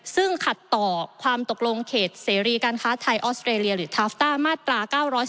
ซึ่งขัดต่อความตกลงเขตเสรีการค้าไทยออสเตรเลียหรือทาฟต้ามาตรา๙๔